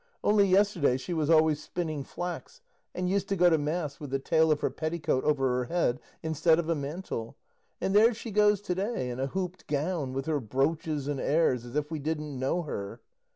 Only yesterday she was always spinning flax, and used to go to mass with the tail of her petticoat over her head instead of a mantle, and there she goes to day in a hooped gown with her broaches and airs, as if we didn't know her!